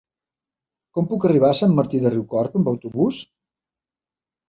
Com puc arribar a Sant Martí de Riucorb amb autobús?